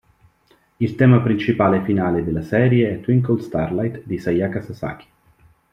Il tema principale finale della serie è "Twinkle Starlight" di Sayaka Sasaki.